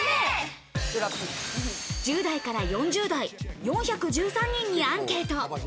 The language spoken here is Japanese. １０代から４０代、４１３人にアンケート。